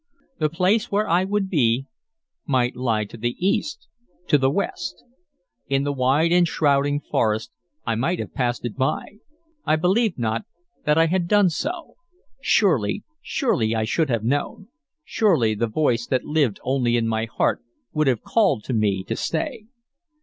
The place where I would be might lie to the east, to the west. In the wide enshrouding forest I might have passed it by. I believed not that I had done so. Surely, surely I should have known; surely the voice that lived only in my heart would have called to me to stay.